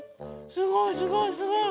すごいすごいすごい。